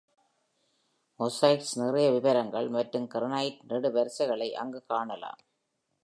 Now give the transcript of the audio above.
Mosaics, நிறைய விவரங்கள் மற்றும் கிரானைட் நெடுவரிசைகளை அங்கு காணலாம்.